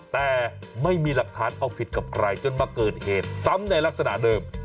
แต่ไม่มีหลักฐานเอาผิดกับใครจนมาเกิดเหตุซ้ำในลักษณะเดิม